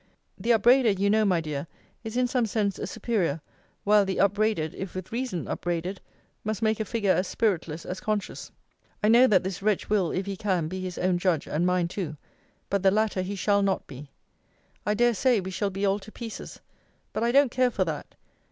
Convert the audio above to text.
The upbraider, you know, my dear, is in some sense a superior; while the upbraided, if with reason upbraided, must make a figure as spiritless as conscious. I know that this wretch will, if he can, be his own judge, and mine too. But the latter he shall not be. I dare say, we shall be all to pieces. But I don't care for that.